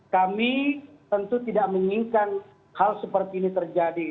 kami tentu tidak menginginkan hal seperti ini terjadi